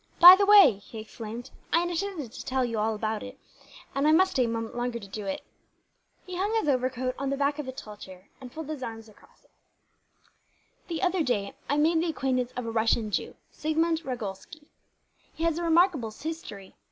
"By the way," he exclaimed, "I intended to tell you about that, and I must stay a moment longer to do it." He hung his overcoat on the back of a tall chair, and folded his arms across it. "The other day I made the acquaintance of a Russian Jew, Sigmund Ragolsky. He has a remarkable history.